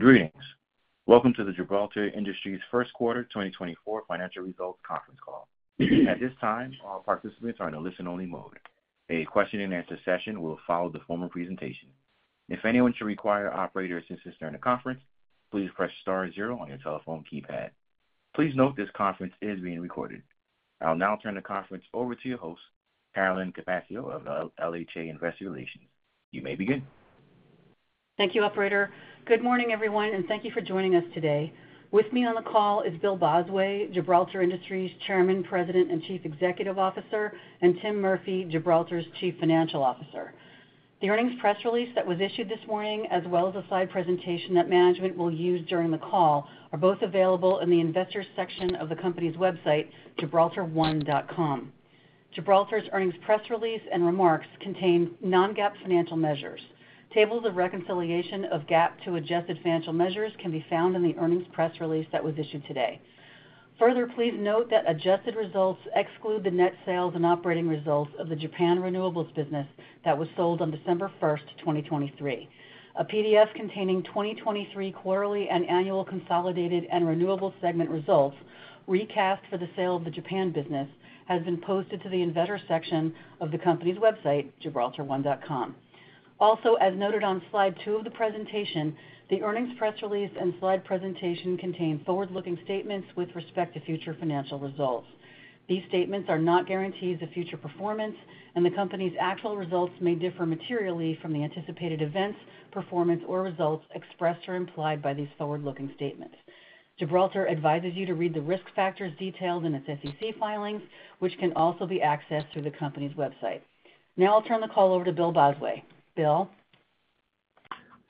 Greetings. Welcome to the Gibraltar Industries Q1 2024 Financial Results Conference Call. At this time, all participants are in a listen-only mode. A question-and-answer session will follow the formal presentation. If anyone should require operator assistance during the conference, please press star zero on your telephone keypad. Please note this conference is being recorded. I'll now turn the conference over to your host, Carolyn Capaccio of LHA Investor Relations. You may begin. Thank you, operator. Good morning, everyone, and thank you for joining us today. With me on the call is Bill Bosway, Gibraltar Industries' Chairman, President, and Chief Executive Officer, and Tim Murphy, Gibraltar's Chief Financial Officer. The earnings press release that was issued this morning, as well as a slide presentation that management will use during the call, are both available in the Investors section of the company's website, gibraltar1.com. Gibraltar's earnings press release and remarks contain non-GAAP financial measures. Tables of reconciliation of GAAP to adjusted financial measures can be found in the earnings press release that was issued today. Further, please note that adjusted results exclude the net sales and operating results of the Japan renewables business that was sold on 1 December 2023. A PDF containing 2023 quarterly and annual consolidated and renewable segment results, recast for the sale of the Japan business, has been posted to the Investor section of the company's website, gibraltar1.com. Also, as noted on slide two of the presentation, the earnings press release and slide presentation contain forward-looking statements with respect to future financial results. These statements are not guarantees of future performance, and the company's actual results may differ materially from the anticipated events, performance, or results expressed or implied by these forward-looking statements. Gibraltar advises you to read the risk factors detailed in its SEC filings, which can also be accessed through the company's website. Now I'll turn the call over to Bill Bosway. Bill?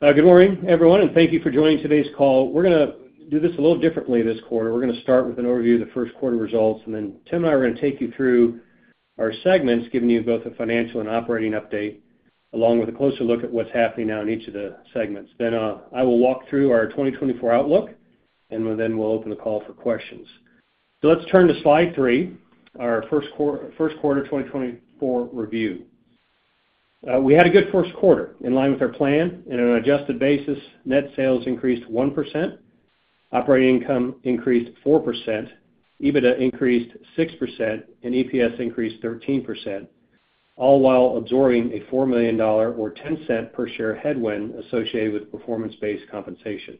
Good morning, everyone, and thank you for joining today's call. We're gonna do this a little differently this quarter. We're gonna start with an overview of the Q1 results, and then Tim and I are gonna take you through our segments, giving you both a financial and operating update, along with a closer look at what's happening now in each of the segments. Then, I will walk through our 2024 outlook, and then we'll open the call for questions. So let's turn to slide three, our Q1 2024 review. We had a good Q1, in line with our plan. In an adjusted basis, net sales increased 1%, operating income increased 4%, EBITDA increased 6%, and EPS increased 13%, all while absorbing a $4 million or $0.10 per share headwind associated with performance-based compensation.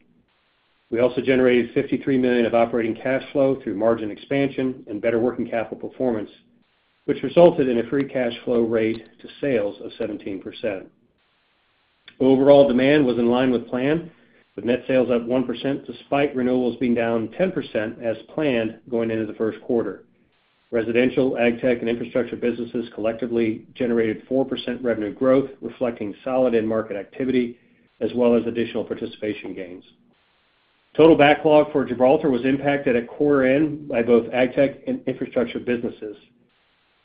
We also generated $53 million of operating cash flow through margin expansion and better working capital performance, which resulted in a free cash flow rate to sales of 17%. Overall demand was in line with plan, with net sales up 1%, despite renewables being down 10% as planned going into the Q1. Residential, AgTech, and infrastructure businesses collectively generated 4% revenue growth, reflecting solid end market activity as well as additional participation gains. Total backlog for Gibraltar was impacted at quarter end by both AgTech and infrastructure businesses.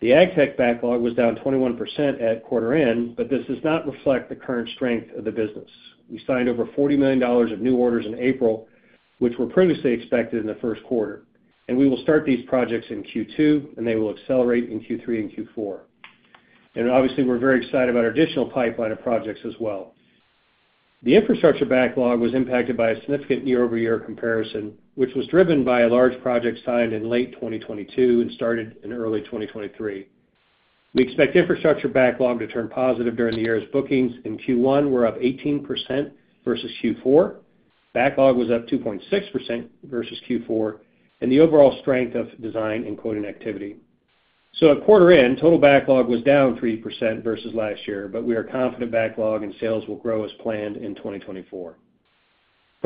The AgTech backlog was down 21% at quarter end, but this does not reflect the current strength of the business. We signed over $40 million of new orders in April, which were previously expected in the Q1, and we will start these projects in Q2, and they will accelerate in Q3 and Q4. And obviously, we're very excited about our additional pipeline of projects as well. The infrastructure backlog was impacted by a significant year-over-year comparison, which was driven by a large project signed in late 2022 and started in early 2023. We expect infrastructure backlog to turn positive during the year, as bookings in Q1 were up 18% versus Q4. Backlog was up 2.6% versus Q4, and the overall strength of design and quoting activity. So at quarter end, total backlog was down 3% versus last year, but we are confident backlog and sales will grow as planned in 2024.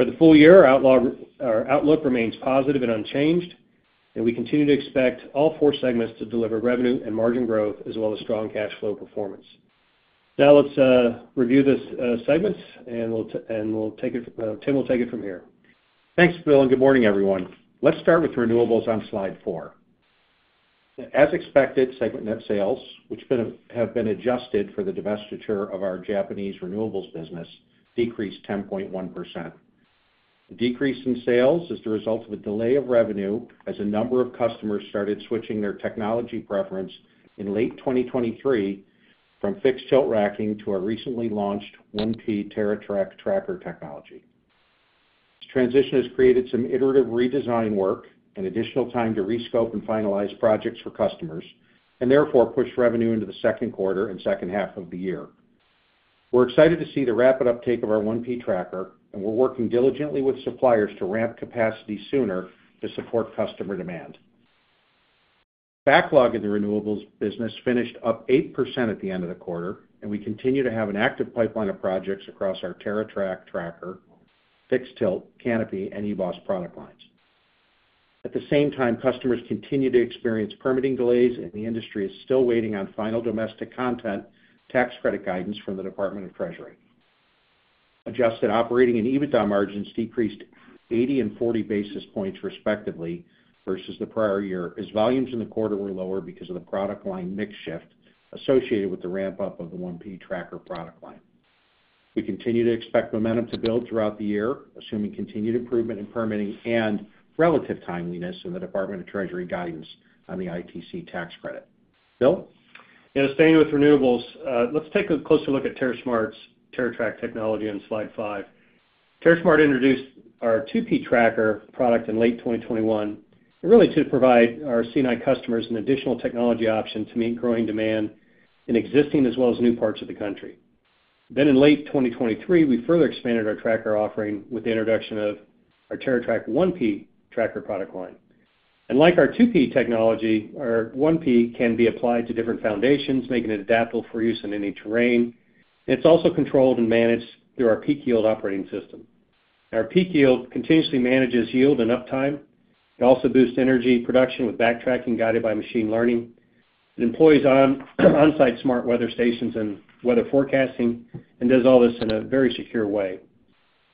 For the full year, our outlook remains positive and unchanged, and we continue to expect all four segments to deliver revenue and margin growth, as well as strong cash flow performance. Now let's review the segments, and we'll take it. Tim will take it from here. Thanks, Bill, and good morning, everyone. Let's start with renewables on slide four. As expected, segment net sales, which have been adjusted for the divestiture of our Japanese renewables business, decreased 10.1%. The decrease in sales is the result of a delay of revenue, as a number of customers started switching their technology preference in late 2023 from fixed-tilt racking to our recently launched 1P TerraTrak tracker technology. This transition has created some iterative redesign work and additional time to rescope and finalize projects for customers, and therefore, pushed revenue into the Q2 and H2 of the year. We're excited to see the rapid uptake of our 1P tracker, and we're working diligently with suppliers to ramp capacity sooner to support customer demand. Backlog in the renewables business finished up 8% at the end of the quarter, and we continue to have an active pipeline of projects across our TerraTrak tracker, Fixed-Tilt, Canopy, and eBOS product lines. At the same time, customers continue to experience permitting delays, and the industry is still waiting on final domestic content tax credit guidance from the Department of the Treasury. Adjusted operating and EBITDA margins decreased 80 and 40 basis points, respectively, versus the prior year, as volumes in the quarter were lower because of the product line mix shift associated with the ramp-up of the 1P tracker product line. We continue to expect momentum to build throughout the year, assuming continued improvement in permitting and relative timeliness of the Department of the Treasury guidance on the ITC tax credit. Bill?... Yeah, staying with renewables, let's take a closer look at TerraSmart's TerraTrak technology on Slide five. TerraSmart introduced our 2P tracker product in late 2021, really to provide our C&I customers an additional technology option to meet growing demand in existing as well as new parts of the country. Then, in late 2023, we further expanded our tracker offering with the introduction of our TerraTrak 1P tracker product line. And like our 2P technology, our 1P can be applied to different foundations, making it adaptable for use in any terrain. It's also controlled and managed through our PeakYield operating system. Our PeakYield continuously manages yield and uptime. It also boosts energy production with backtracking, guided by machine learning. It employs on-site smart weather stations and weather forecasting, and does all this in a very secure way.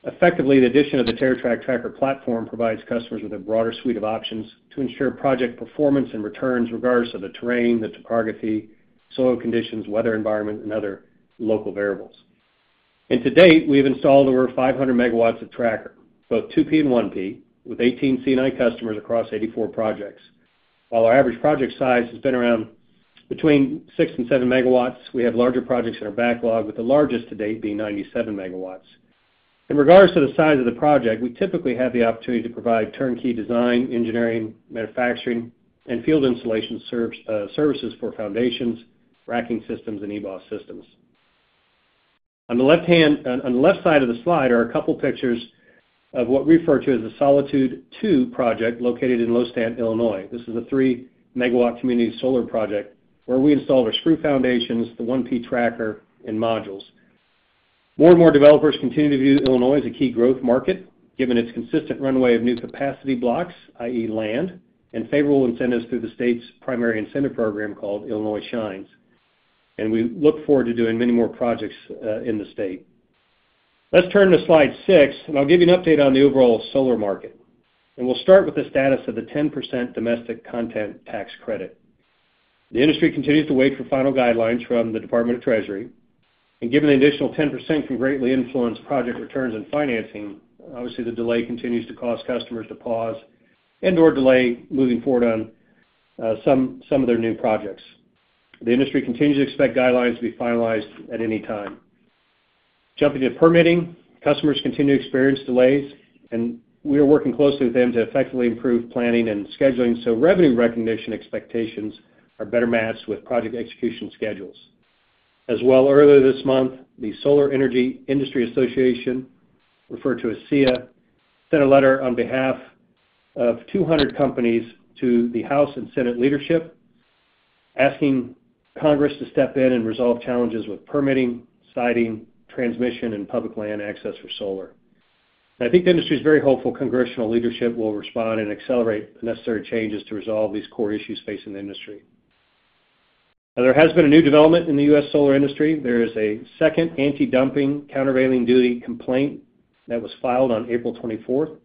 Effectively, the addition of the TerraTrak tracker platform provides customers with a broader suite of options to ensure project performance and returns, regardless of the terrain, the topography, soil conditions, weather environment, and other local variables. To date, we have installed over 500 MW of tracker, both 2P and 1P, with 18 C&I customers across 84 projects. While our average project size has been around between 6 and 7 MW, we have larger projects in our backlog, with the largest to date being 97 MW. In regards to the size of the project, we typically have the opportunity to provide turnkey design, engineering, manufacturing, and field installation services for foundations, racking systems, and eBOS systems. On the left side of the slide are a couple pictures of what we refer to as the Solitude Two project, located in Lostant, Illinois. This is a 3 MW community solar project where we installed our screw foundations, the 1P tracker, and modules. More and more developers continue to view Illinois as a key growth market, given its consistent runway of new capacity blocks, i.e., land, and favorable incentives through the state's primary incentive program called Illinois Shines. We look forward to doing many more projects in the state. Let's turn to slide six, and I'll give you an update on the overall solar market. We'll start with the status of the 10% domestic content tax credit. The industry continues to wait for final guidelines from the Department of the Treasury, and given the additional 10% can greatly influence project returns and financing, obviously, the delay continues to cause customers to pause and/or delay moving forward on some of their new projects. The industry continues to expect guidelines to be finalized at any time. Jumping to permitting, customers continue to experience delays, and we are working closely with them to effectively improve planning and scheduling, so revenue recognition expectations are better matched with project execution schedules. As well, earlier this month, the Solar Energy Industries Association, referred to as SEIA, sent a letter on behalf of 200 companies to the House and Senate leadership, asking Congress to step in and resolve challenges with permitting, siting, transmission, and public land access for solar. I think the industry is very hopeful congressional leadership will respond and accelerate the necessary changes to resolve these core issues facing the industry. Now, there has been a new development in the U.S. solar industry. There is a second antidumping and countervailing duty complaint that was filed on 24 April 2024.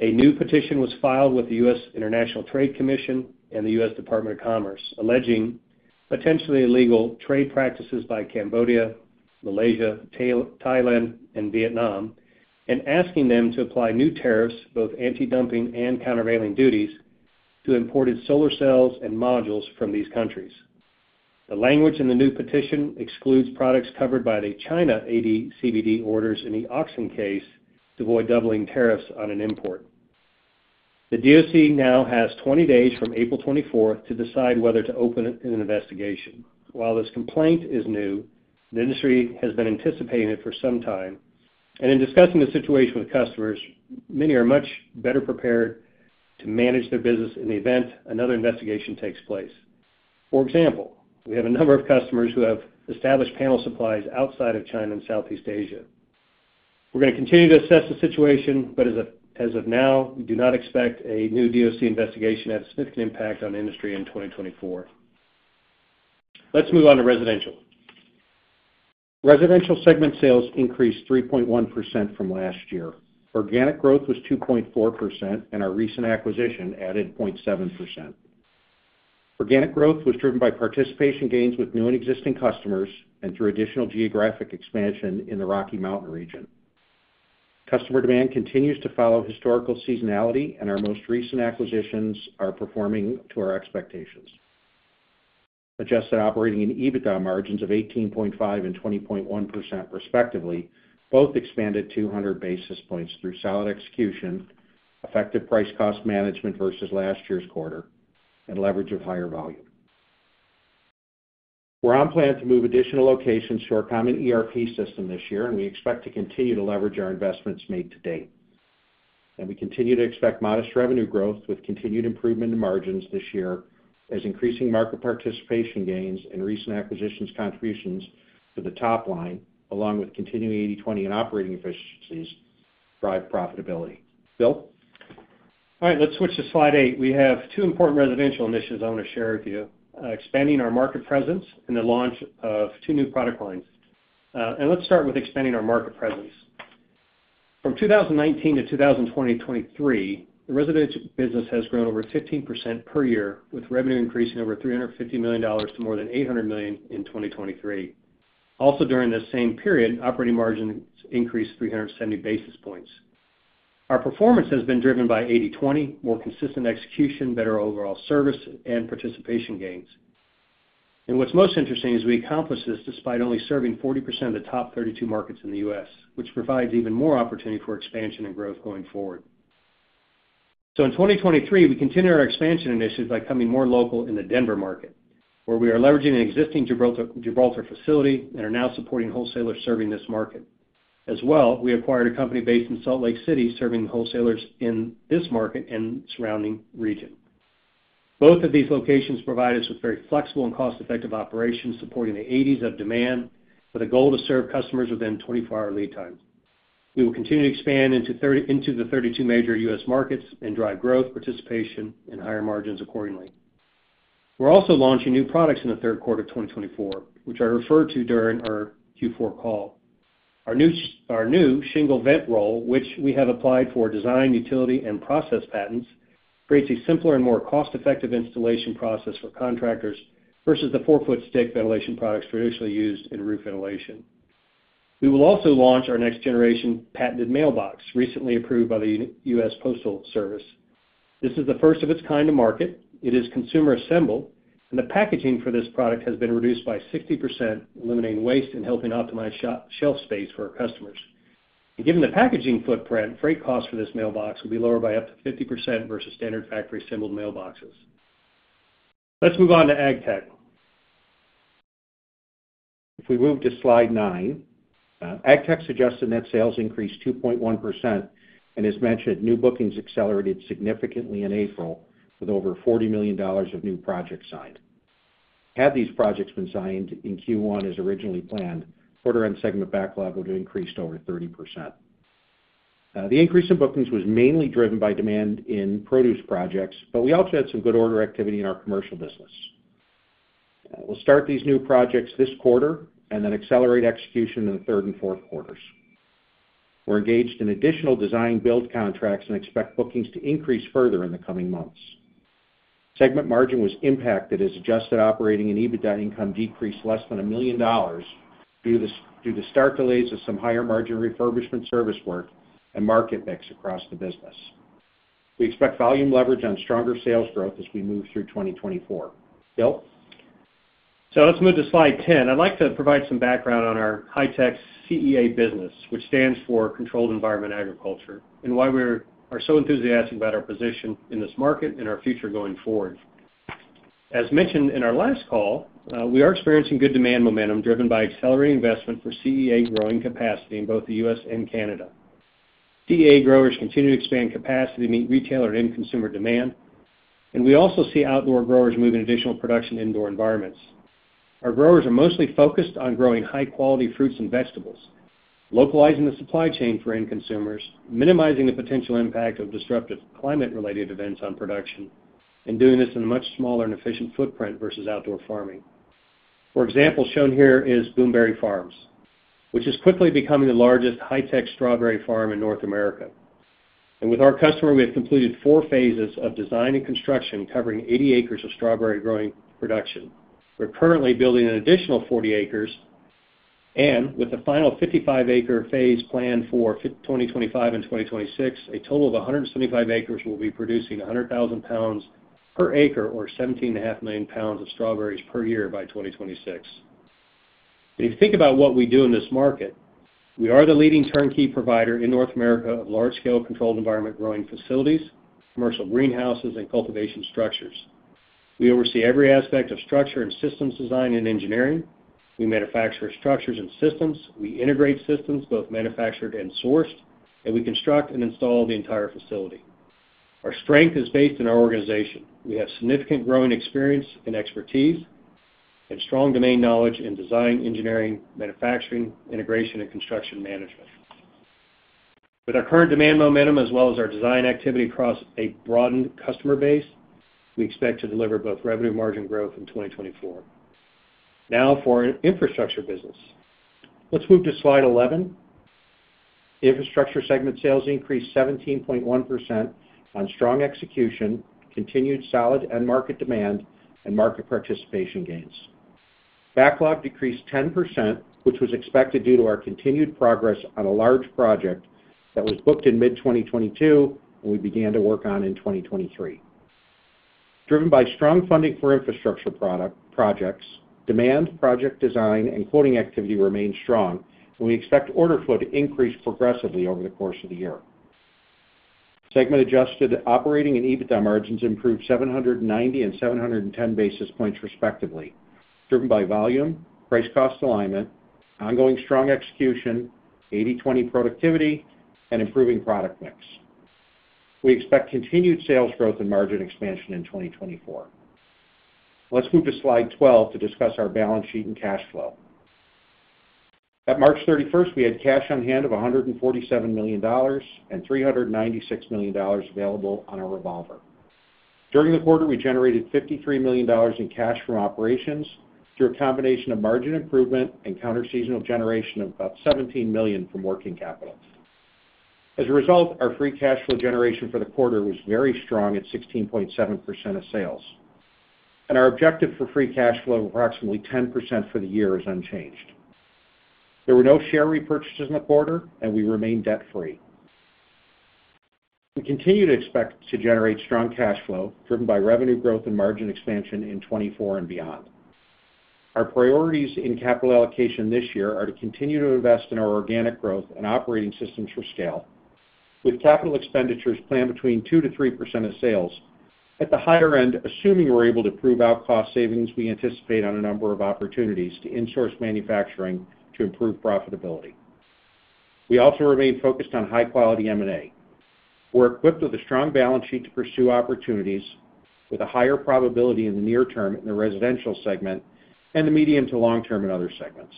A new petition was filed with the U.S. International Trade Commission and the U.S. Department of Commerce, alleging potentially illegal trade practices by Cambodia, Malaysia, Thailand, and Vietnam, and asking them to apply new tariffs, both antidumping and countervailing duties, to imported solar cells and modules from these countries. The language in the new petition excludes products covered by the China AD/CVD orders in the Auxin case to avoid doubling tariffs on an import. The DOC now has 20 days from April 24 to decide whether to open an investigation. While this complaint is new, the industry has been anticipating it for some time, and in discussing the situation with customers, many are much better prepared to manage their business in the event another investigation takes place. For example, we have a number of customers who have established panel supplies outside of China and Southeast Asia. We're gonna continue to assess the situation, but as of, as of now, we do not expect a new DOC investigation to have a significant impact on the industry in 2024. Let's move on to residential. Residential segment sales increased 3.1% from last year. Organic growth was 2.4%, and our recent acquisition added 0.7%. Organic growth was driven by participation gains with new and existing customers and through additional geographic expansion in the Rocky Mountain region. Customer demand continues to follow historical seasonality, and our most recent acquisitions are performing to our expectations. Adjusted operating and EBITDA margins of 18.5% and 20.1%, respectively, both expanded 200 basis points through solid execution, effective price-cost management versus last year's quarter, and leverage of higher volume. We're on plan to move additional locations to our common ERP system this year, and we expect to continue to leverage our investments made to date. We continue to expect modest revenue growth with continued improvement in margins this year, as increasing market participation gains and recent acquisitions contributions to the top line, along with continuing 80/20 in operating efficiencies, drive profitability. Bill? All right, let's switch to slide eight. We have two important residential initiatives I want to share with you, expanding our market presence and the launch of two new product lines. Let's start with expanding our market presence. From 2019 to 2023, the residential business has grown over 15% per year, with revenue increasing over $350 million to more than $800 million in 2023. Also, during this same period, operating margins increased 370 basis points. Our performance has been driven by 80/20, more consistent execution, better overall service, and participation gains. What's most interesting is we accomplished this despite only serving 40% of the top 32 markets in the U.S., which provides even more opportunity for expansion and growth going forward. In 2023, we continued our expansion initiatives by becoming more local in the Denver market, where we are leveraging an existing Gibraltar, Gibraltar facility and are now supporting wholesalers serving this market. As well, we acquired a company based in Salt Lake City, serving wholesalers in this market and surrounding region. Both of these locations provide us with very flexible and cost-effective operations, supporting the eighties of demand with a goal to serve customers within 24-hour lead times. We will continue to expand into 32 major U.S. markets and drive growth, participation, and higher margins accordingly. We're also launching new products in the Q3 of 2024, which I referred to during our Q4 call. Our new shingle vent roll, which we have applied for design, utility, and process patents, creates a simpler and more cost-effective installation process for contractors versus the 4-foot stick ventilation products traditionally used in roof ventilation. We will also launch our next generation patented mailbox, recently approved by the U.S. Postal Service. This is the first of its kind to market. It is consumer-assembled, and the packaging for this product has been reduced by 60%, eliminating waste and helping optimize shelf space for our customers. Given the packaging footprint, freight costs for this mailbox will be lower by up to 50% versus standard factory-assembled mailboxes. Let's move on to AgTech. If we move to slide nine, AgTech's adjusted net sales increased 2.1%, and as mentioned, new bookings accelerated significantly in April, with over $40 million of new projects signed. Had these projects been signed in Q1 as originally planned, quarter-end segment backlog would have increased over 30%. The increase in bookings was mainly driven by demand in produce projects, but we also had some good order activity in our commercial business. We'll start these new projects this quarter and then accelerate execution in the Q3 and Q4. We're engaged in additional design build contracts and expect bookings to increase further in the coming months. Segment margin was impacted as adjusted operating and EBITDA income decreased less than $1 million due to start delays of some higher-margin refurbishment service work and market mix across the business. We expect volume leverage on stronger sales growth as we move through 2024. Bill? So let's move to slide 10. I'd like to provide some background on our high-tech CEA business, which stands for Controlled Environment Agriculture, and why we are so enthusiastic about our position in this market and our future going forward. As mentioned in our last call, we are experiencing good demand momentum, driven by accelerating investment for CEA growing capacity in both the U.S. and Canada. CEA growers continue to expand capacity to meet retailer and consumer demand, and we also see outdoor growers moving additional production indoor environments. Our growers are mostly focused on growing high-quality fruits and vegetables, localizing the supply chain for end consumers, minimizing the potential impact of disruptive climate-related events on production, and doing this in a much smaller and efficient footprint versus outdoor farming. For example, shown here is Boone's Berry Farms, which is quickly becoming the largest high-tech strawberry farm in North America. And with our customer, we have completed four phases of design and construction, covering 80 acres of strawberry growing production. We're currently building an additional 40 acres, and with the final 55 acre phase planned for 2025 and 2026, a total of 175 acres will be producing 100,000 pounds per acre, or 17.5 million pounds of strawberries per year by 2026. When you think about what we do in this market, we are the leading turnkey provider in North America of large-scale controlled environment growing facilities, commercial greenhouses, and cultivation structures. We oversee every aspect of structure and systems design and engineering. We manufacture structures and systems. We integrate systems, both manufactured and sourced, and we construct and install the entire facility. Our strength is based in our organization. We have significant growing experience and expertise and strong domain knowledge in design, engineering, manufacturing, integration, and construction management. With our current demand momentum, as well as our design activity across a broadened customer base, we expect to deliver both revenue margin growth in 2024. Now, for infrastructure business. Let's move to slide 11. Infrastructure segment sales increased 17.1% on strong execution, continued solid end market demand, and market participation gains. Backlog decreased 10%, which was expected due to our continued progress on a large project that was booked in mid-2022, and we began to work on in 2023. Driven by strong funding for infrastructure projects, demand, project design, and quoting activity remained strong, and we expect order flow to increase progressively over the course of the year. Segment adjusted operating and EBITDA margins improved 790 and 710 basis points, respectively, driven by volume, price-cost alignment, ongoing strong execution, 80/20 productivity, and improving product mix. We expect continued sales growth and margin expansion in 2024. Let's move to slide 12 to discuss our balance sheet and cash flow. At March 31, we had cash on hand of $147 million, and $396 million available on our revolver. During the quarter, we generated $53 million in cash from operations through a combination of margin improvement and counterseasonal generation of about $17 million from working capital. As a result, our free cash flow generation for the quarter was very strong at 16.7% of sales... and our objective for free cash flow of approximately 10% for the year is unchanged. There were no share repurchases in the quarter, and we remain debt-free. We continue to expect to generate strong cash flow, driven by revenue growth and margin expansion in 2024 and beyond. Our priorities in capital allocation this year are to continue to invest in our organic growth and operating systems for scale, with capital expenditures planned between 2% to 3% of sales. At the higher end, assuming we're able to prove out cost savings, we anticipate on a number of opportunities to in-source manufacturing to improve profitability. We also remain focused on high-quality M&A. We're equipped with a strong balance sheet to pursue opportunities with a higher probability in the near term in the residential segment and the medium to long term in other segments.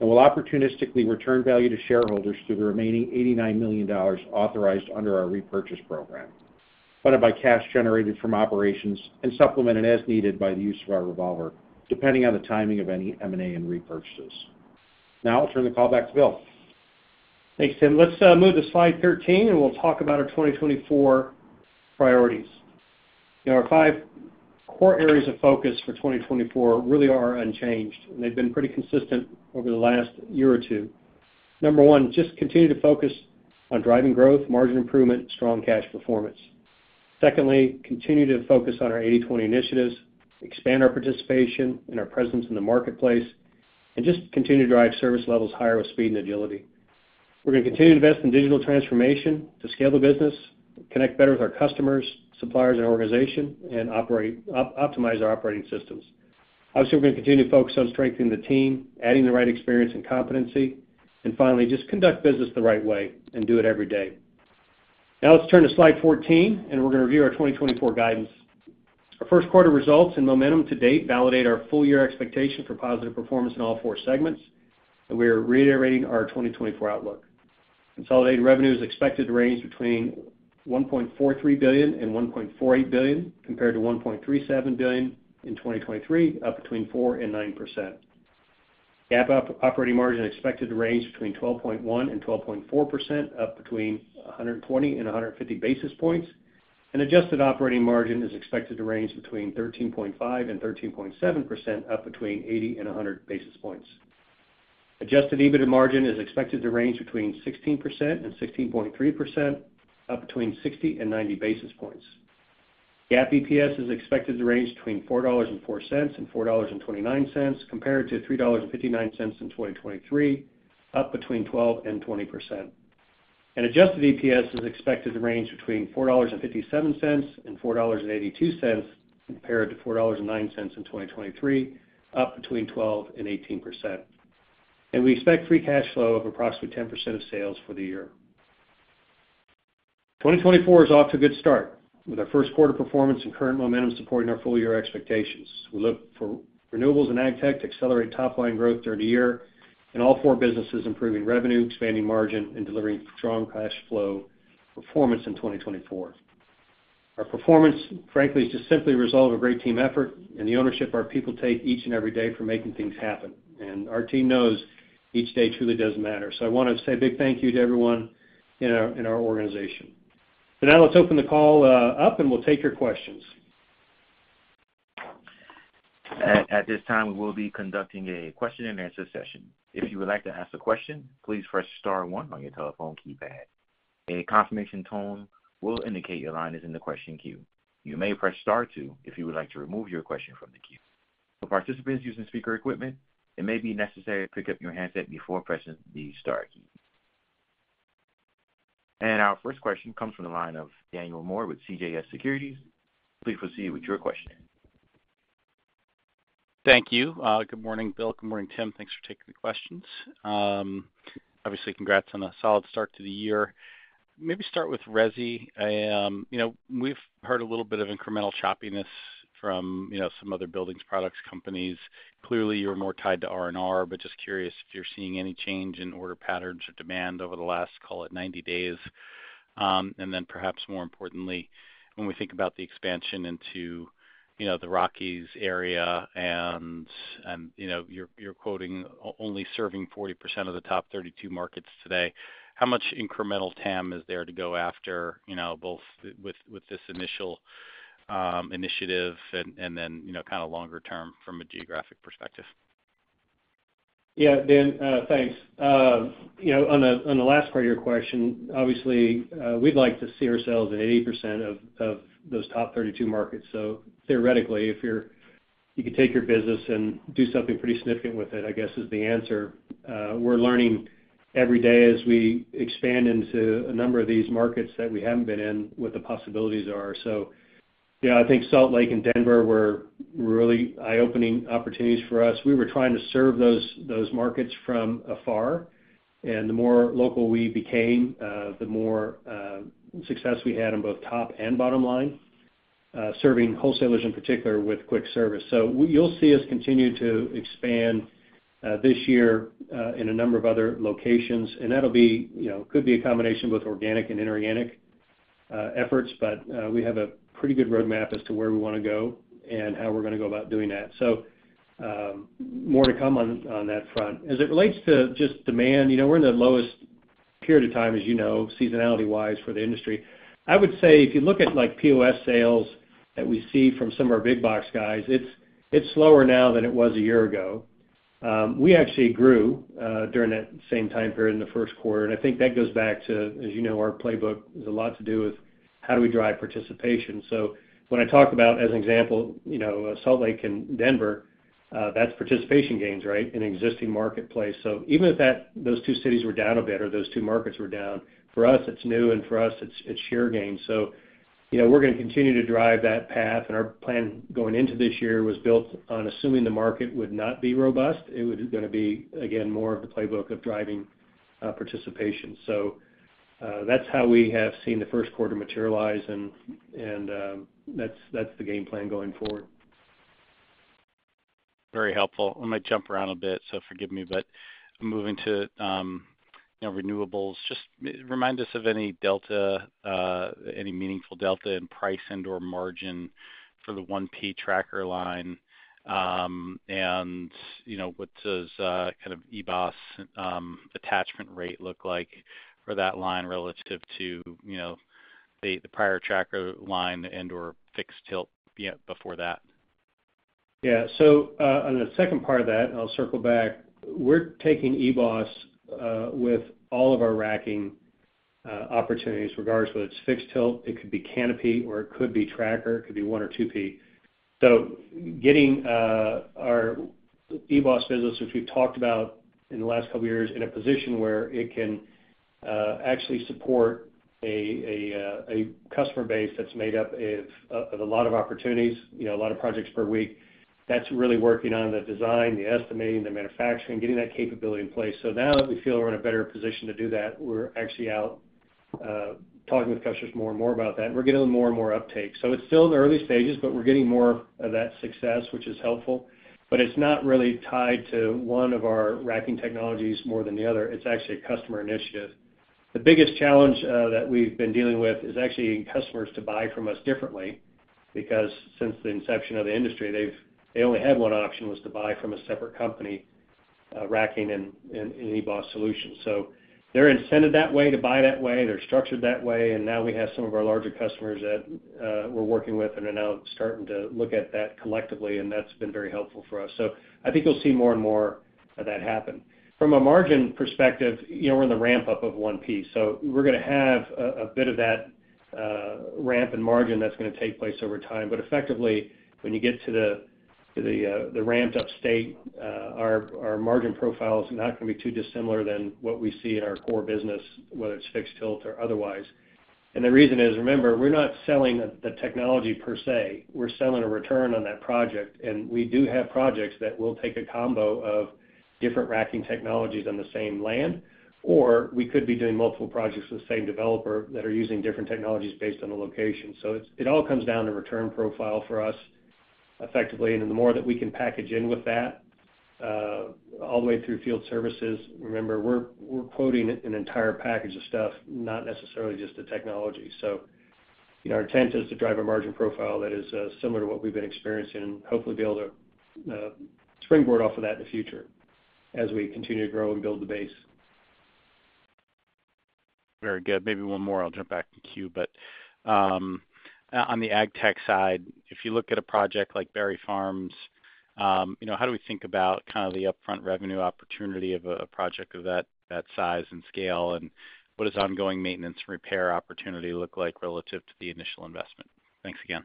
We'll opportunistically return value to shareholders through the remaining $89 million authorized under our repurchase program, funded by cash generated from operations and supplemented as needed by the use of our revolver, depending on the timing of any M&A and repurchases. Now I'll turn the call back to Bill. Thanks, Tim. Let's move to slide 13, and we'll talk about our 2024 priorities. You know, our five core areas of focus for 2024 really are unchanged, and they've been pretty consistent over the last year or two. Number one, just continue to focus on driving growth, margin improvement, strong cash performance. Secondly, continue to focus on our 80/20 initiatives, expand our participation and our presence in the marketplace, and just continue to drive service levels higher with speed and agility. We're gonna continue to invest in digital transformation to scale the business, connect better with our customers, suppliers, and organization, and optimize our operating systems. Obviously, we're gonna continue to focus on strengthening the team, adding the right experience and competency, and finally, just conduct business the right way, and do it every day. Now, let's turn to slide 14, and we're gonna review our 2024 guidance. Our Q1 results and momentum to date validate our full-year expectation for positive performance in all four segments, and we are reiterating our 2024 outlook. Consolidated revenue is expected to range between $1.43 billion and $1.48 billion, compared to $1.37 billion in 2023, up between 4% and 9%. GAAP operating margin is expected to range between 12.1% and 12.4%, up between 120 and 150 basis points, and adjusted operating margin is expected to range between 13.5% and 13.7%, up between 80 and 100 basis points. Adjusted EBITDA margin is expected to range between 16% and 16.3%, up between 60 and 90 basis points. GAAP EPS is expected to range between $4.04 and $4.29, compared to $3.59 in 2023, up 12% and 20%. Adjusted EPS is expected to range between $4.57 and $4.82, compared to $4.09 in 2023, up between 12% and 18%. We expect free cash flow of approximately 10% of sales for the year. 2024 is off to a good start, with our Q1 performance and current momentum supporting our full-year expectations. We look for renewables and AgTech to accelerate top-line growth during the year, and all four businesses improving revenue, expanding margin, and delivering strong cash flow performance in 2024. Our performance, frankly, is just simply a result of a great team effort and the ownership our people take each and every day for making things happen, and our team knows each day truly does matter. So I wanna say a big thank you to everyone in our, in our organization. So now let's open the call, up, and we'll take your questions. At this time, we will be conducting a question-and-answer session. If you would like to ask a question, please press star one on your telephone keypad. A confirmation tone will indicate your line is in the question queue. You may press star two if you would like to remove your question from the queue. For participants using speaker equipment, it may be necessary to pick up your handset before pressing the star key. Our first question comes from the line of Daniel Moore with CJS Securities. Please proceed with your question. Thank you. Good morning, Bill. Good morning, Tim. Thanks for taking the questions. Obviously, congrats on a solid start to the year. Maybe start with resi. You know, we've heard a little bit of incremental choppiness from, you know, some other building products companies. Clearly, you're more tied to R&R, but just curious if you're seeing any change in order patterns or demand over the last, call it, 90 days. And then perhaps more importantly, when we think about the expansion into, you know, the Rockies area, and, and, you know, you're, you're quoting only serving 40% of the top 32 markets today, how much incremental TAM is there to go after, you know, both with, with this initial, initiative and, and then, you know, kind of longer term from a geographic perspective? Yeah, Dan, thanks. You know, on the last part of your question, obviously, we'd like to see ourselves at 80% of those top 32 markets. So theoretically, you could take your business and do something pretty significant with it, I guess, is the answer. We're learning every day as we expand into a number of these markets that we haven't been in, what the possibilities are. So yeah, I think Salt Lake and Denver were really eye-opening opportunities for us. We were trying to serve those markets from afar, and the more local we became, the more success we had on both top and bottom line, serving wholesalers in particular with quick service. So, you'll see us continue to expand this year in a number of other locations, and that'll be, you know, could be a combination of both organic and inorganic efforts, but we have a pretty good roadmap as to where we wanna go and how we're gonna go about doing that. So, more to come on that front. As it relates to just demand, you know, we're in the lowest period of time, as you know, seasonality-wise for the industry. I would say, if you look at, like, POS sales that we see from some of our big box guys, it's slower now than it was a year ago. We actually grew during that same time period in the Q1, and I think that goes back to, as you know, our playbook has a lot to do with how do we drive participation. So when I talk about, as an example, you know, Salt Lake and Denver, that's participation gains, right? In existing marketplace. So even if those two cities were down a bit or those two markets were down, for us, it's new, and for us, it's sheer gain. So, you know, we're gonna continue to drive that path, and our plan going into this year was built on assuming the market would not be robust. It was gonna be, again, more of the playbook of driving participation. So, that's how we have seen the Q1 materialize, and that's the game plan going forward. Very helpful. I might jump around a bit, so forgive me. But moving to, you know, renewables, just remind us of any delta, any meaningful delta in price and/or margin for the 1P tracker line. And, you know, what does kind of eBOS attachment rate look like for that line relative to, you know, the prior tracker line and/or fixed-tilt, yeah, before that? Yeah. So, on the second part of that, and I'll circle back, we're taking eBOS with all of our racking opportunities, regardless whether it's Fixed-Tilt, it could be canopy, or it could be tracker, it could be 1P or 2P. So getting our eBOS business, which we've talked about in the last couple of years, in a position where it can actually support a customer base that's made up of a lot of opportunities, you know, a lot of projects per week, that's really working on the design, the estimating, the manufacturing, getting that capability in place. So now that we feel we're in a better position to do that, we're actually out talking with customers more and more about that, and we're getting more and more uptake. So it's still in the early stages, but we're getting more of that success, which is helpful, but it's not really tied to one of our racking technologies more than the other. It's actually a customer initiative. The biggest challenge that we've been dealing with is actually getting customers to buy from us differently. Because since the inception of the industry, they've only had one option, was to buy from a separate company, racking and eBOS solutions. So they're incented that way, to buy that way, they're structured that way, and now we have some of our larger customers that we're working with and are now starting to look at that collectively, and that's been very helpful for us. So I think you'll see more and more of that happen. From a margin perspective, you know, we're in the ramp-up of 1P. So we're gonna have a bit of that ramp in margin that's gonna take place over time. But effectively, when you get to the ramped-up state, our margin profile is not gonna be too dissimilar than what we see in our core business, whether it's Fixed-Tilt or otherwise. And the reason is, remember, we're not selling the technology per se, we're selling a return on that project. And we do have projects that will take a combo of different racking technologies on the same land, or we could be doing multiple projects with the same developer that are using different technologies based on the location. So it all comes down to return profile for us effectively, and the more that we can package in with that, all the way through field services... Remember, we're quoting an entire package of stuff, not necessarily just the technology. So, you know, our intent is to drive a margin profile that is similar to what we've been experiencing and hopefully be able to springboard off of that in the future as we continue to grow and build the base. Very good. Maybe one more, I'll jump back to the queue. But, on the AgTech side, if you look at a project like Berry Farms, you know, how do we think about kind of the upfront revenue opportunity of a, a project of that, that size and scale, and what does ongoing maintenance and repair opportunity look like relative to the initial investment? Thanks again.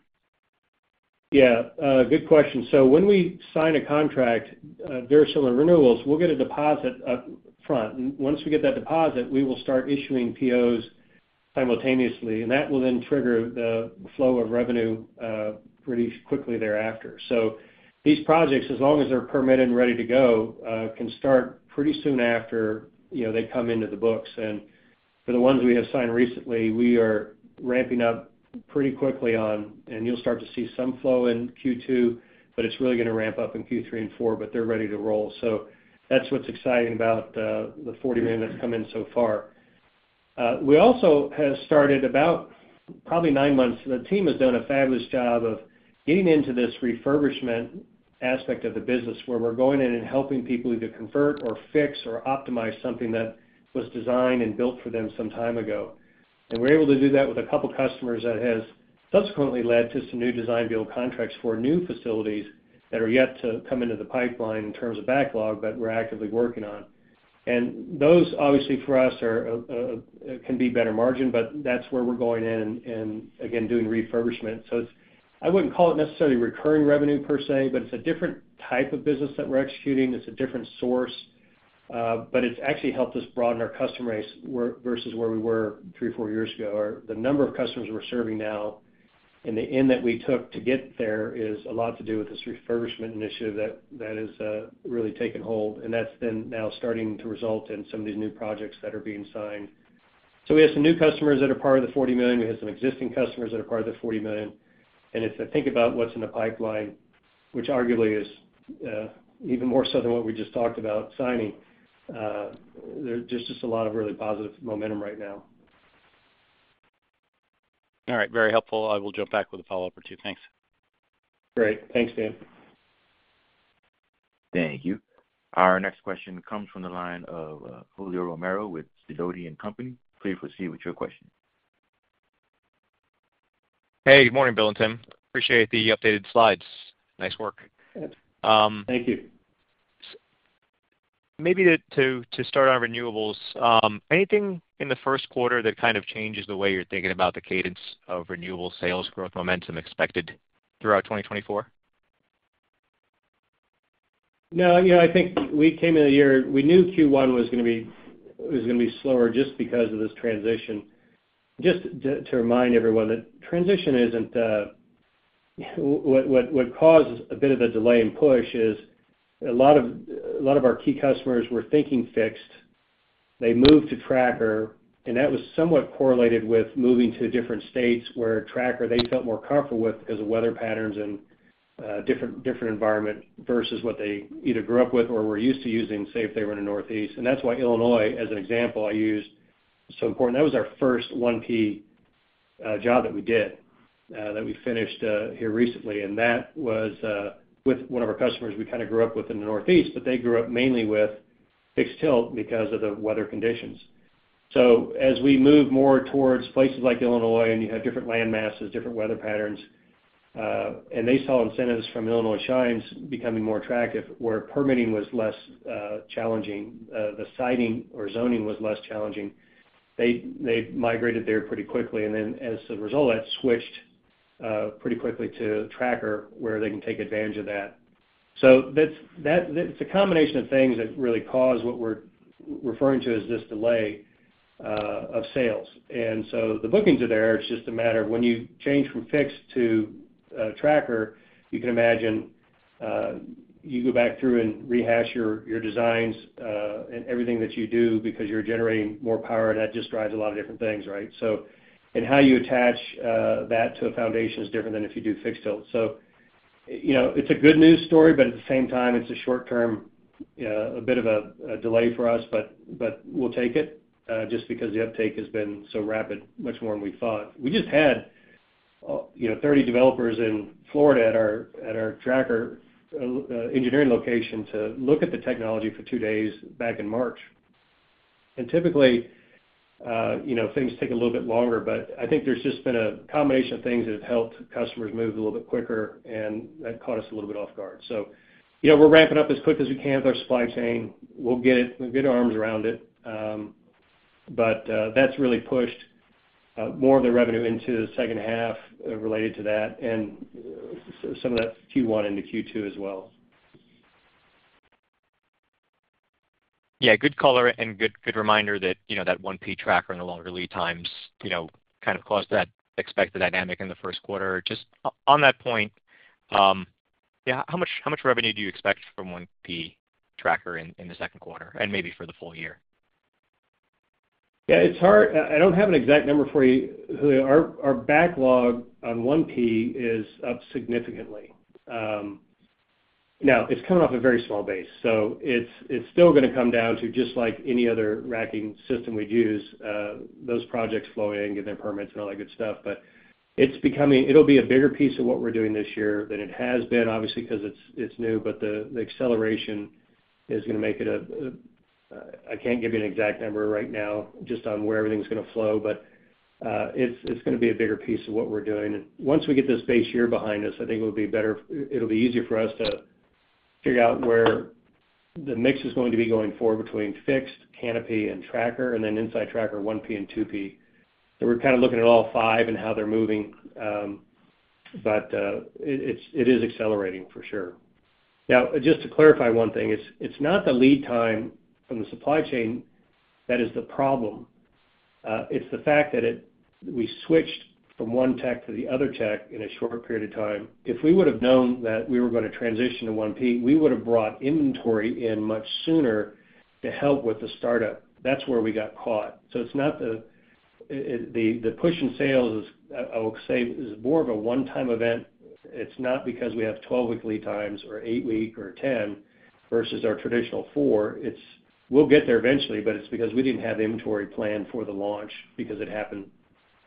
Yeah, good question. So when we sign a contract, very similar renewables, we'll get a deposit up front. And once we get that deposit, we will start issuing POs simultaneously, and that will then trigger the flow of revenue, pretty quickly thereafter. So these projects, as long as they're permitted and ready to go, can start pretty soon after, you know, they come into the books. And for the ones we have signed recently, we are ramping up pretty quickly on, and you'll start to see some flow in Q2, but it's really gonna ramp up in Q3 and Q4, but they're ready to roll. So that's what's exciting about, the $40 million that's come in so far. We also have started about probably nine months, the team has done a fabulous job of getting into this refurbishment aspect of the business, where we're going in and helping people either convert or fix or optimize something that was designed and built for them some time ago. And we're able to do that with a couple customers that has subsequently led to some new design build contracts for new facilities that are yet to come into the pipeline in terms of backlog, but we're actively working on. And those, obviously, for us, are can be better margin, but that's where we're going in and, again, doing refurbishment. So it's. I wouldn't call it necessarily recurring revenue per se, but it's a different type of business that we're executing. It's a different source, but it's actually helped us broaden our customer base, where versus where we were three, four years ago. The number of customers we're serving now, and the end that we took to get there is a lot to do with this refurbishment initiative that has really taken hold, and that's then now starting to result in some of these new projects that are being signed. So we have some new customers that are part of the $40 million. We have some existing customers that are part of the $40 million. And if I think about what's in the pipeline, which arguably is even more so than what we just talked about signing, there's just a lot of really positive momentum right now.... All right, very helpful. I will jump back with a follow-up or two. Thanks. Great. Thanks, Dan. Thank you. Our next question comes from the line of, Julio Romero with Sidoti & Company. Please proceed with your question. Hey, good morning, Bill and Tim. Appreciate the updated slides. Nice work. Thank you. Maybe to start on renewables, anything in the Q1 that kind of changes the way you're thinking about the cadence of renewable sales growth momentum expected throughout 2024? No, you know, I think we came in the year. We knew Q1 was gonna be slower just because of this transition. Just to remind everyone, that transition isn't what caused a bit of a delay in push is, a lot of, a lot of our key customers were thinking fixed. They moved to tracker, and that was somewhat correlated with moving to different states where tracker, they felt more comfortable with because of weather patterns and different environment versus what they either grew up with or were used to using, say, if they were in the Northeast. And that's why Illinois, as an example, I used, so important. That was our first 1P job that we did, that we finished here recently, and that was with one of our customers we kind of grew up with in the Northeast, but they grew up mainly with Fixed-Tilt because of the weather conditions. So as we move more towards places like Illinois, and you have different land masses, different weather patterns, and they saw incentives from Illinois Shines becoming more attractive, where permitting was less challenging, the siting or zoning was less challenging. They migrated there pretty quickly, and then as a result, that switched pretty quickly to tracker, where they can take advantage of that. So that's a combination of things that really cause what we're referring to as this delay of sales. And so the bookings are there. It's just a matter of when you change from fixed to tracker, you can imagine, you go back through and rehash your, your designs, and everything that you do because you're generating more power, and that just drives a lot of different things, right? So, and how you attach that to a foundation is different than if you do fixed tilt. So, you know, it's a good news story, but at the same time, it's a short term, a bit of a, a delay for us, but, but we'll take it, just because the uptake has been so rapid, much more than we thought. We just had, you know, 30 developers in Florida at our, at our tracker, engineering location to look at the technology for two days back in March. Typically, you know, things take a little bit longer, but I think there's just been a combination of things that have helped customers move a little bit quicker, and that caught us a little bit off guard. So, you know, we're ramping up as quick as we can with our supply chain. We'll get it. We'll get our arms around it, but that's really pushed more of the revenue into the H2, related to that, and so some of that Q1 into Q2 as well. Yeah, good color and good reminder that, you know, that 1P tracker and the longer lead times, you know, kind of caused that expected dynamic in the Q1. Just on that point, yeah, how much, how much revenue do you expect from 1P tracker in the Q2, and maybe for the full year? Yeah, it's hard. I don't have an exact number for you, Julio. Our backlog on 1P is up significantly. Now, it's coming off a very small base, so it's still gonna come down to just like any other racking system we'd use, those projects flowing in, get their permits and all that good stuff. But it's becoming, it'll be a bigger piece of what we're doing this year than it has been, obviously, because it's new, but the acceleration is gonna make it a... I can't give you an exact number right now just on where everything's gonna flow, but it's gonna be a bigger piece of what we're doing. And once we get this base year behind us, I think it'll be better—it'll be easier for us to figure out where the mix is going to be going forward between fixed, canopy, and tracker, and then inside tracker, 1P and 2P. So we're kind of looking at all five and how they're moving, but it's accelerating for sure. Now, just to clarify one thing, it's not the lead time from the supply chain that is the problem. It's the fact that it—we switched from one tech to the other tech in a short period of time. If we would've known that we were gonna transition to 1P, we would've brought inventory in much sooner to help with the startup. That's where we got caught. So it's not the push in sales is, I would say, is more of a one-time event. It's not because we have 12-week lead times or 8-week or 10 versus our traditional four. It's we'll get there eventually, but it's because we didn't have the inventory planned for the launch because it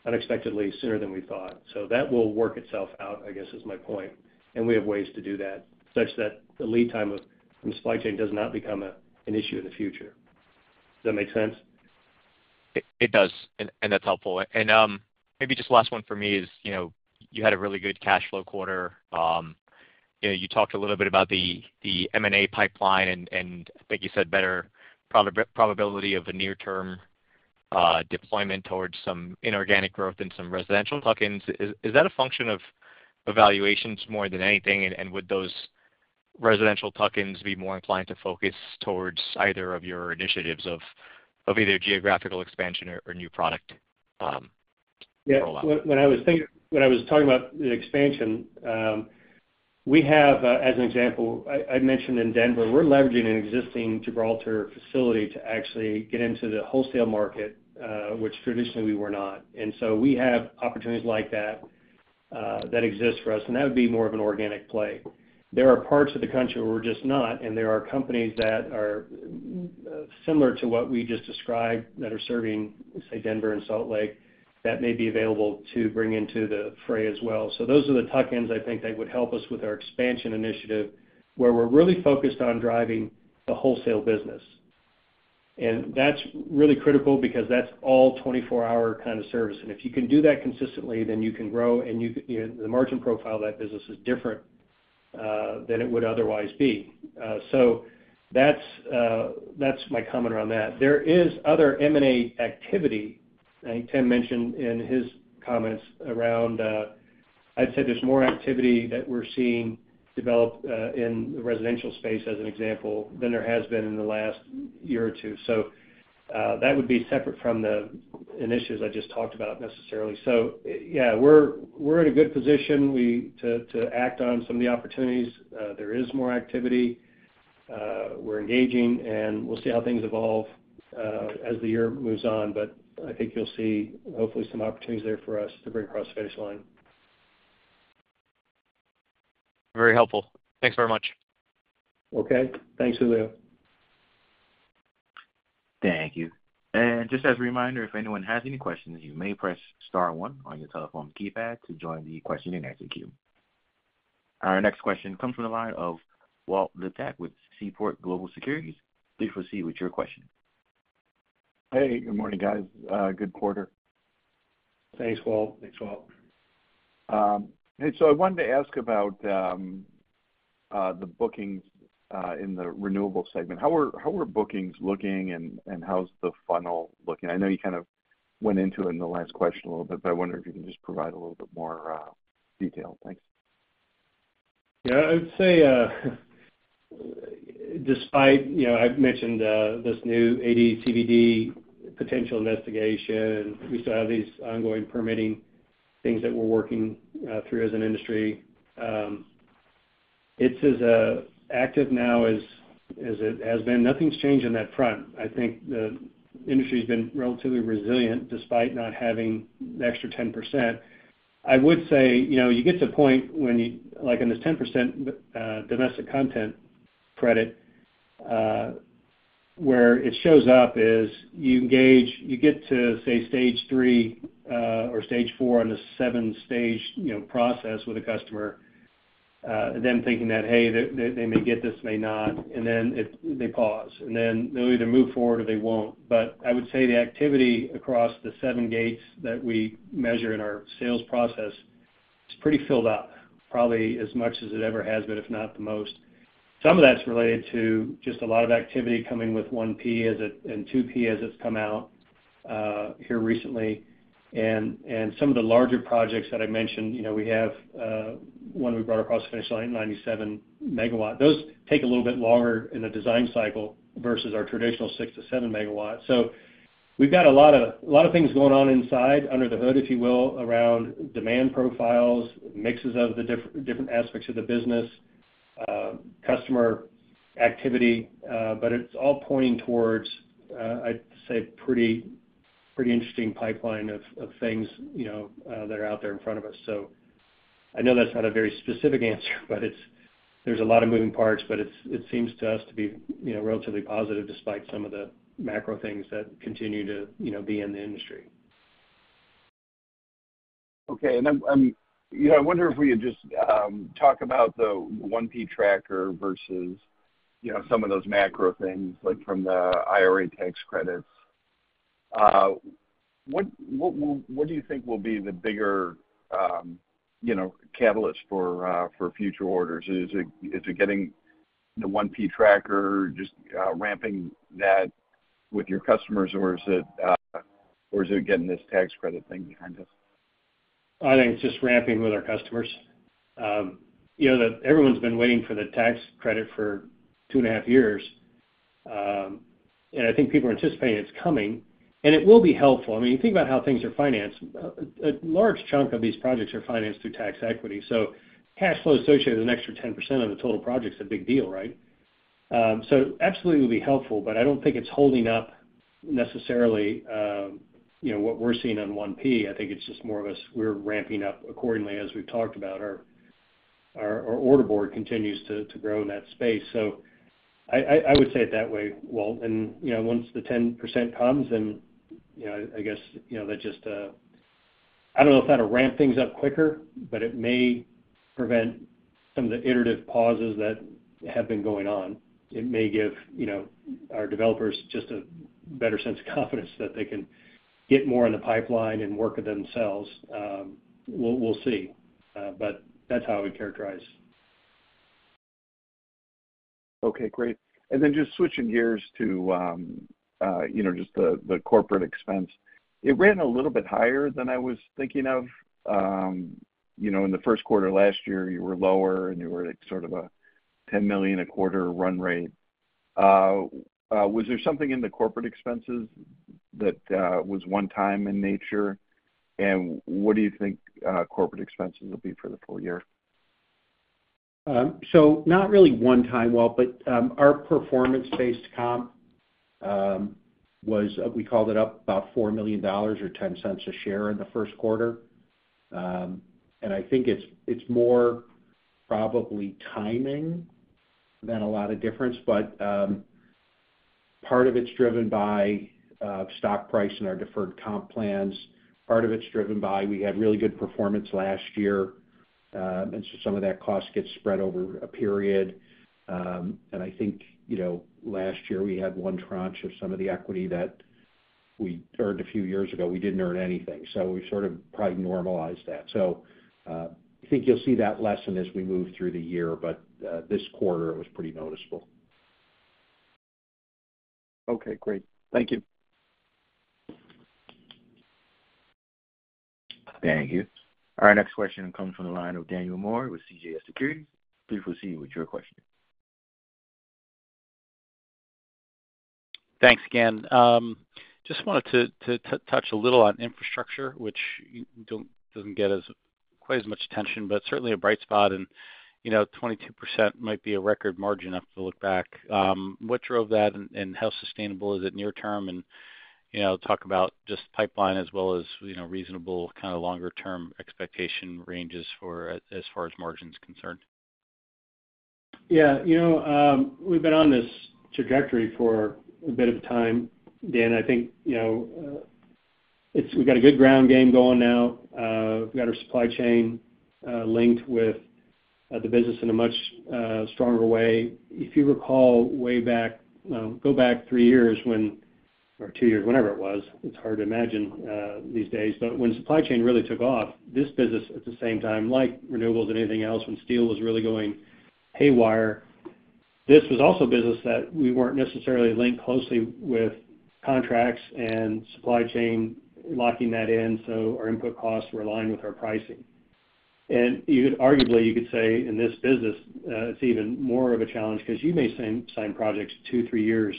happened unexpectedly sooner than we thought. So that will work itself out, I guess, is my point. And we have ways to do that, such that the lead time of the supply chain does not become an issue in the future. Does that make sense? It does, and that's helpful. And maybe just last one for me is, you know, you had a really good cash flow quarter. You know, you talked a little bit about the M&A pipeline, and I think you said better probability of a near-term deployment towards some inorganic growth and some residential tuck-ins. Is that a function of valuations more than anything, and would those residential tuck-ins be more inclined to focus towards either of your initiatives of either geographical expansion or new product rollout? Yeah. When I was talking about the expansion, we have, as an example, I mentioned in Denver, we're leveraging an existing Gibraltar facility to actually get into the wholesale market, which traditionally we were not. And so we have opportunities like that that exists for us, and that would be more of an organic play. There are parts of the country where we're just not, and there are companies that are similar to what we just described, that are serving, say, Denver and Salt Lake, that may be available to bring into the fray as well. So those are the tuck-ins, I think, that would help us with our expansion initiative, where we're really focused on driving the wholesale business. And that's really critical because that's all 24-hour kind of service. And if you can do that consistently, then you can grow, and you, you know, the margin profile of that business is different, than it would otherwise be. So that's, that's my comment around that. There is other M&A activity. I think Tim mentioned in his comments around, I'd say there's more activity that we're seeing develop, in the residential space, as an example, than there has been in the last year or two. So, that would be separate from the initiatives I just talked about necessarily. So, yeah, we're, we're in a good position, we, to, to act on some of the opportunities. There is more activity. We're engaging, and we'll see how things evolve, as the year moves on, but I think you'll see, hopefully, some opportunities there for us to bring across the finish line. Very helpful. Thanks very much. Okay. Thanks, Julio. Thank you. Just as a reminder, if anyone has any questions, you may press star one on your telephone keypad to join the question-and-answer queue. Our next question comes from the line of Walt Liptak with Seaport Global Securities. Please proceed with your question. Hey, good morning, guys. Good quarter. Thanks, Walt. Thanks, Walt. And so I wanted to ask about the bookings in the renewables segment. How are bookings looking, and how's the funnel looking? I know you kind of went into it in the last question a little bit, but I wonder if you can just provide a little bit more detail. Thanks. Yeah, I'd say, despite, you know, I've mentioned, this new AD/CVD potential investigation, we still have these ongoing permitting things that we're working, through as an industry. It's as, active now as, as it has been. Nothing's changed on that front. I think the industry's been relatively resilient, despite not having the extra 10%. I would say, you know, you get to a point when you-- like, in this 10%, domestic content credit, where it shows up is, you engage- you get to, say, stage three, or stage four on a seven-stage, you know, process with a customer, them thinking that, hey, they, they, they may get this, may not, and then it-- they pause, and then they'll either move forward or they won't. I would say the activity across the seven gates that we measure in our sales process is pretty filled up, probably as much as it ever has been, if not the most. Some of that's related to just a lot of activity coming with 1P assets and 2P assets come out here recently. And some of the larger projects that I mentioned, you know, we have one we brought across the finish line, 97 MW. Those take a little bit longer in the design cycle versus our traditional 6 to 7 MW. So we've got a lot of, a lot of things going on inside, under the hood, if you will, around demand profiles, mixes of the different aspects of the business, customer activity, but it's all pointing towards, I'd say, pretty, pretty interesting pipeline of, of things, you know, that are out there in front of us. So I know that's not a very specific answer, but it's, there's a lot of moving parts, but it seems to us to be, you know, relatively positive, despite some of the macro things that continue to, you know, be in the industry. Okay. And then, you know, I wonder if we could just talk about the 1P tracker versus, you know, some of those macro things, like from the IRA tax credits. What, what will, what do you think will be the bigger, you know, catalyst for future orders? Is it, is it getting the 1P tracker, just ramping that with your customers, or is it getting this tax credit thing behind us? I think it's just ramping with our customers. You know, everyone's been waiting for the tax credit for 2.5 years. And I think people are anticipating it's coming, and it will be helpful. I mean, you think about how things are financed. A large chunk of these projects are financed through tax equity, so cash flow associated with an extra 10% of the total project is a big deal, right? So absolutely, it will be helpful, but I don't think it's holding up necessarily, you know, what we're seeing on 1P. I think it's just more of us, we're ramping up accordingly. As we've talked about, our order board continues to grow in that space. So I would say it that way, Walt. You know, once the 10% comes, then, you know, I guess, you know, that just, I don't know if that'll ramp things up quicker, but it may prevent some of the iterative pauses that have been going on. It may give, you know, our developers just a better sense of confidence that they can get more in the pipeline and work it themselves. We'll see, but that's how I would characterize. Okay, great. And then just switching gears to, you know, just the corporate expense. It ran a little bit higher than I was thinking of. You know, in the Q1 last year, you were lower, and you were at sort of a $10 million a quarter run rate. Was there something in the corporate expenses that was one-time in nature? And what do you think corporate expenses will be for the full year?... So not really one-time, well, but, our performance-based comp was, we called it up about $4 million or $0.10 a share in the Q1. And I think it's, it's more probably timing than a lot of difference. But, part of it's driven by stock price and our deferred comp plans. Part of it's driven by, we had really good performance last year, and so some of that cost gets spread over a period. And I think, you know, last year, we had one tranche of some of the equity that we earned a few years ago, we didn't earn anything. So we sort of probably normalized that. So, I think you'll see that lessen as we move through the year, but, this quarter, it was pretty noticeable. Okay, great. Thank you. Thank you. Our next question comes from the line of Daniel Moore with CJS Securities. Please proceed with your question. Thanks again. Just wanted to touch a little on infrastructure, which doesn't get quite as much attention, but certainly a bright spot. And, you know, 22% might be a record margin, have to look back. What drove that, and how sustainable is it near term? And, you know, talk about just pipeline as well as, you know, reasonable kind of longer-term expectation ranges for as far as margin's concerned. Yeah, you know, we've been on this trajectory for a bit of time, Dan. I think, you know, it's. We've got a good ground game going now. We've got our supply chain linked with the business in a much stronger way. If you recall, way back, go back three years when, or two years, whenever it was, it's hard to imagine these days. But when supply chain really took off, this business, at the same time, like renewables and anything else, when steel was really going haywire, this was also a business that we weren't necessarily linked closely with contracts and supply chain, locking that in, so our input costs were aligned with our pricing. You could arguably say, in this business, it's even more of a challenge because you may sign projects two, three years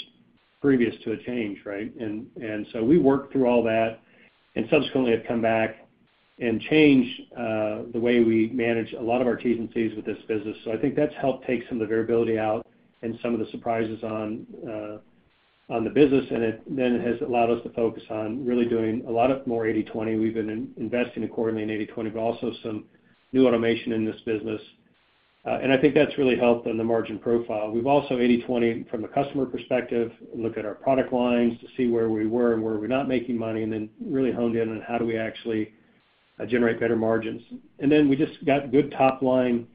previous to a change, right? And so we worked through all that, and subsequently have come back and changed the way we manage a lot of our T&Cs with this business. So I think that's helped take some of the variability out and some of the surprises on the business, and it then has allowed us to focus on really doing a lot more 80/20. We've been investing accordingly in 80/20, but also some new automation in this business. And I think that's really helped in the margin profile. We've also 80/20 from a customer perspective, looked at our product lines to see where we were and where we're not making money, and then really honed in on how do we actually generate better margins. Then we just got good top-line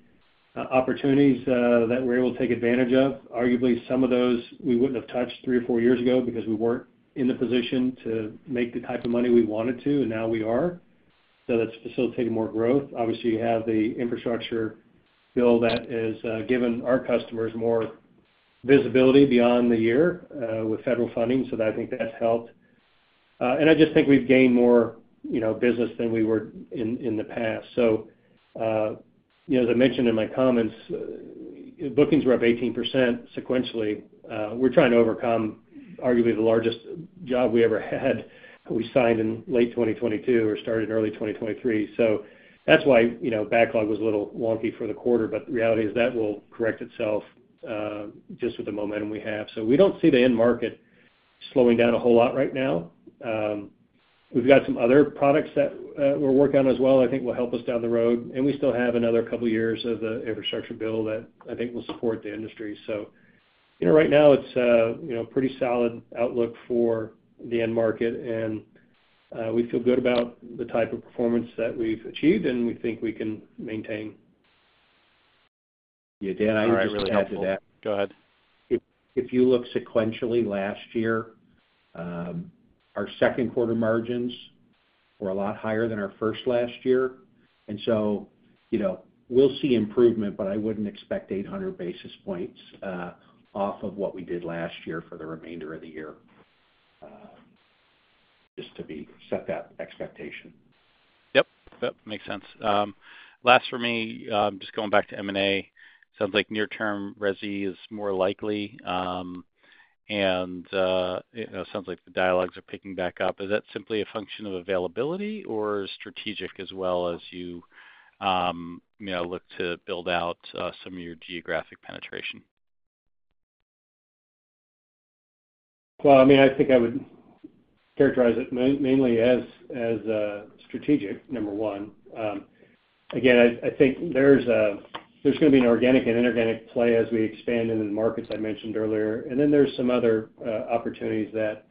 opportunities that we're able to take advantage of. Arguably, some of those we wouldn't have touched three or four years ago because we weren't in the position to make the type of money we wanted to, and now we are. That's facilitated more growth. Obviously, you have the infrastructure bill that has given our customers more visibility beyond the year with federal funding, so I think that's helped. And I just think we've gained more, you know, business than we were in the past. So, you know, as I mentioned in my comments, bookings were up 18% sequentially. We're trying to overcome arguably the largest job we ever had. We signed in late 2022 or started in early 2023, so that's why, you know, backlog was a little wonky for the quarter. But the reality is that will correct itself, just with the momentum we have. So we don't see the end market slowing down a whole lot right now. We've got some other products that, we're working on as well, I think will help us down the road, and we still have another couple of years of the infrastructure bill that I think will support the industry. So, you know, right now it's a, you know, pretty solid outlook for the end market, and, we feel good about the type of performance that we've achieved, and we think we can maintain. Yeah, Dan, I can just add to that. Go ahead. If you look sequentially last year, our Q2 margins were a lot higher than our first last year. And so, you know, we'll see improvement, but I wouldn't expect 800 basis points off of what we did last year for the remainder of the year. Just to be set that expectation. Yep. Yep, makes sense. Last for me, just going back to M&A. Sounds like near-term resi is more likely, and, you know, sounds like the dialogues are picking back up. Is that simply a function of availability or strategic as well as you, you know, look to build out some of your geographic penetration? Well, I mean, I think I would characterize it mainly as strategic, number one. Again, I think there's gonna be an organic and inorganic play as we expand into the markets I mentioned earlier. And then there's some other opportunities that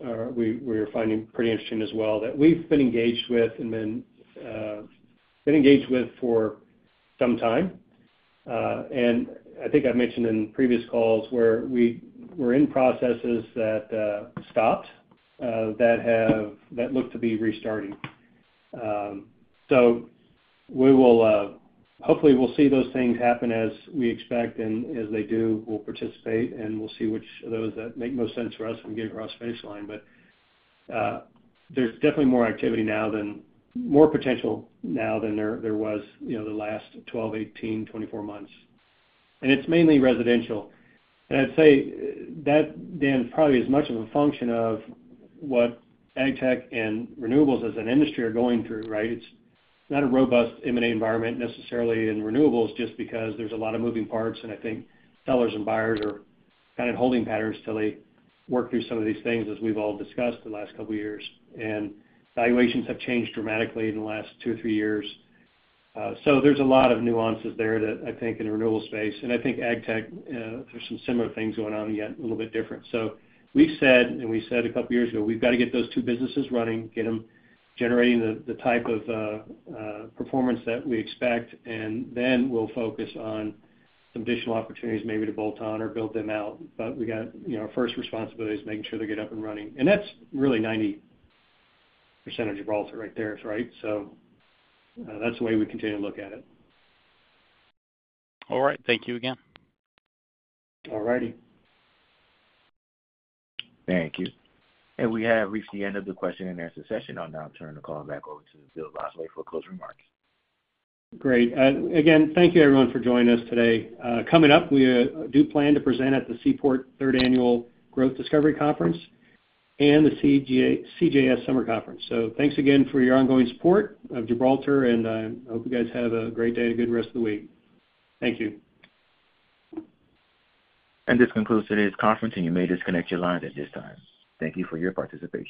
we're finding pretty interesting as well, that we've been engaged with and then been engaged with for some time. And I think I've mentioned in previous calls where we were in processes that stopped that have... That look to be restarting. So we will hopefully we'll see those things happen as we expect, and as they do, we'll participate, and we'll see which of those that make most sense for us when we get across the baseline. But, there's definitely more activity now than—more potential now than there, there was, you know, the last 12, 18, 24 months. And I'd say that, Dan, probably as much of a function of what AgTech and renewables as an industry are going through, right? It's not a robust M&A environment necessarily in renewables, just because there's a lot of moving parts, and I think sellers and buyers are kind of holding patterns till they work through some of these things, as we've all discussed in the last couple of years. And valuations have changed dramatically in the last two or three years. So there's a lot of nuances there that I think in the renewables space, and I think AgTech, there's some similar things going on, yet a little bit different. So we've said, and we said a couple of years ago, we've got to get those two businesses running, get them generating the type of performance that we expect, and then we'll focus on some additional opportunities maybe to bolt on or build them out. But we got, you know, our first responsibility is making sure they get up and running. And that's really 90% of Gibraltar right there, right? So, that's the way we continue to look at it. All right. Thank you again. All righty. Thank you. We have reached the end of the question and answer session. I'll now turn the call back over to Bill Bosway for closing remarks. Great. Again, thank you, everyone, for joining us today. Coming up, we do plan to present at the Seaport Third Annual Growth Discovery Conference and the CJS Summer Conference. So thanks again for your ongoing support of Gibraltar, and I hope you guys have a great day and a good rest of the week. Thank you. This concludes today's conference, and you may disconnect your lines at this time. Thank you for your participation.